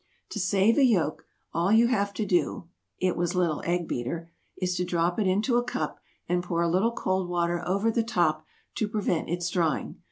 "To save a yolk, all you have to do (it was little Egg Beater) is to drop it into a cup and pour a little cold water over the top, to prevent its drying.